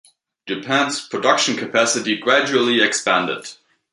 Japan's production capacity gradually expanded.